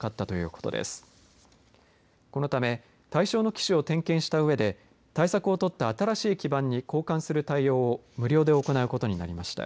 このため対象の機種を点検したうえで対策を取った新しい基板に交換する対応を無料で行うことになりました。